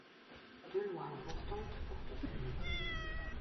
Deux lois importantes portent son nom.